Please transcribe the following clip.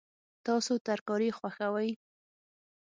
تاسو ترکاري خوښوئ؟